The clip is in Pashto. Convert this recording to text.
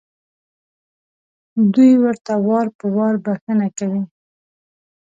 دوی ورته وار په وار بښنه کوي.